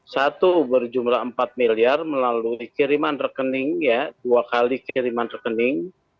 satu berjumlah empat miliar melalui kiriman rekening dua kali kiriman rekening